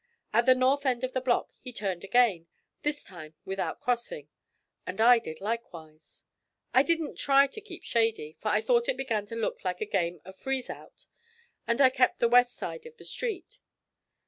At the north end of the block he turned again, this time without crossing, and I did likewise. I didn't try to keep shady, for I thought it began to look like a game of freezeout, and I kept the west side of the street.